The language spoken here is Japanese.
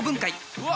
うわ！